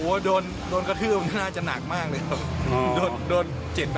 โอ้โหโดนกระทืบน่าจะหนักมากเลยครับ